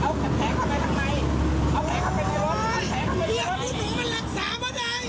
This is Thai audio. เอาแผงเข้าไปทำใหม่แผงเข้าไปทำใหม่พี่หนูมันรักษามาได้